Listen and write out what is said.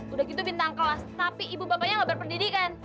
udah gitu bintang kelas tapi ibu bapaknya gak berpendidikan